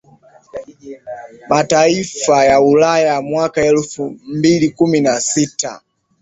Mataifa ya Ulaya mwaka elfu mbili kumi na sita